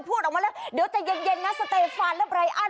พูดออกมาแล้วเดี๋ยวใจเย็นนะสเตฟานและไรอัน